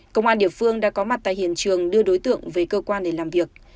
công an địa phương đã có mặt tại hiện trường đưa đối tượng về cơ quan để làm việc